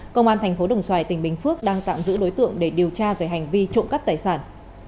công an thành phố đồng xoài tỉnh bình phước đang tạm giữ đối tượng để điều tra về hành vi trộm cắp tài sản